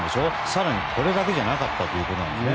更にこれだけじゃなかったということなんです。